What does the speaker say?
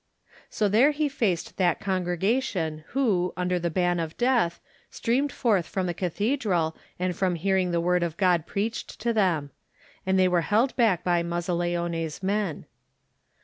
So there he faced that congregation who, under the ban of death, streamed forth from the cathedral and from hearing the word of God preached to them. And they were held back by Mazzaleone's men.